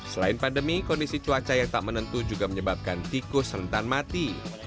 selain pandemi kondisi cuaca yang tak menentu juga menyebabkan tikus rentan mati